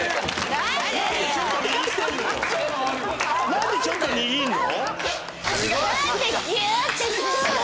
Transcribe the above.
何でちょっと握んの？